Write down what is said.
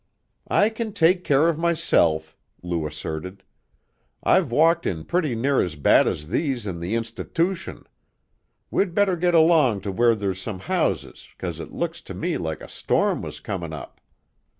"I kin take care of myself," Lou asserted. "I've walked in pretty near as bad as these in the institootion. We'd better get along to where there's some houses 'cause it looks to me like a storm was comin' up."